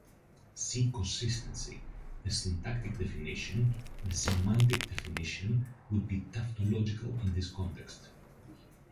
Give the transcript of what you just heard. See Consistency, the syntactic definition; the semantic definition would be tautological in this context.